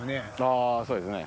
あぁそうですね。